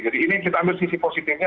jadi ini kita ambil sisi positifnya